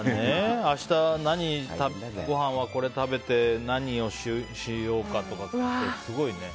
明日、ごはんはこれ食べて何をしようかとかって、すごいね。